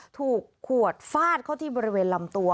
ถูกขวดฟาดเข้าที่บริเวณลำตัว